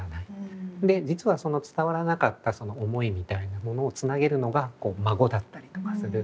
で実はその伝わらなかったその思いみたいなものをつなげるのが孫だったりとかする。